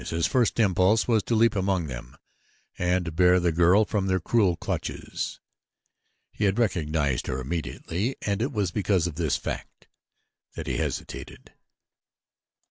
His first impulse was to leap among them and bear the girl from their cruel clutches. He had recognized her immediately and it was because of this fact that he hesitated.